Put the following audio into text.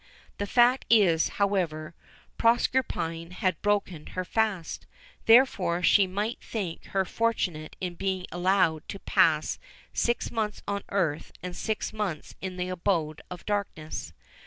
The fact is, however, Proserpine had broken her fast; therefore she might think herself fortunate in being allowed to pass six months on earth and six months in the abode of darkness.